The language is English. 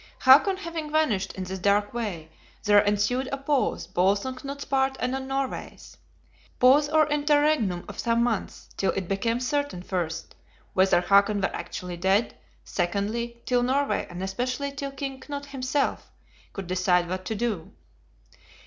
Hakon having vanished in this dark way, there ensued a pause, both on Knut's part and on Norway's. Pause or interregnum of some months, till it became certain, first, whether Hakon were actually dead, secondly, till Norway, and especially till King Knut himself, could decide what to do.